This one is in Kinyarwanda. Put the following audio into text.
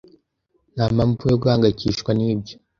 Ntampamvu yo guhangayikishwa nibyo.